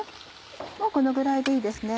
もうこのぐらいでいいですね